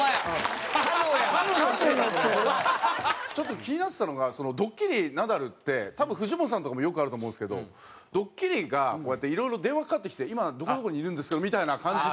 ちょっと気になってたのがドッキリナダルって多分藤本さんとかもよくあると思うんですけどドッキリがこうやっていろいろ電話かかってきて「今どこどこにいるんですけど」みたいな感じで。